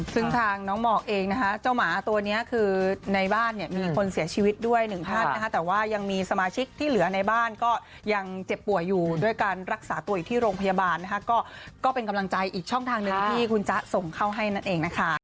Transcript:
ซึ่งทางน้องหมอกเองนะคะเจ้าหมาตัวนี้คือในบ้านเนี่ยมีคนเสียชีวิตด้วยหนึ่งท่านนะคะแต่ว่ายังมีสมาชิกที่เหลือในบ้านก็ยังเจ็บป่วยอยู่ด้วยการรักษาตัวอยู่ที่โรงพยาบาลนะคะก็เป็นกำลังใจอีกช่องทางหนึ่งที่คุณจ๊ะส่งเข้าให้นั่นเองนะคะ